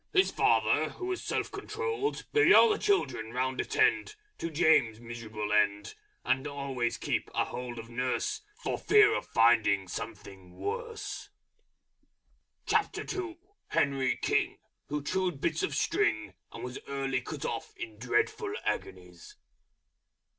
His Father, who was self controlled, Bade all the children round attend To James' miserable end, And always keep a hold of Nurse For fear of finding something worse. HENRY KING, _Who chewed bits of String, and was early cut off in Dreadful Agonies.